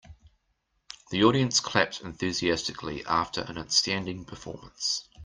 The audience clapped enthusiastically after an outstanding performance.